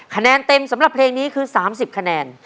คะแนนเต็มสำหรับเพลงนี้คือ๓๐คะแนน